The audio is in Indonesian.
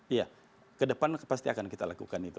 iya kedepan pasti akan kita lakukan itu